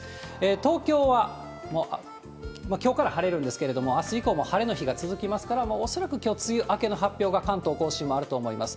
東京はきょうから晴れるんですけれども、あす以降も晴れの日が続きますから、恐らくきょう、梅雨明けの発表が関東甲信もあると思います。